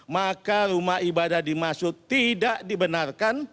maka rumah ibadah dimaksud tidak dibenarkan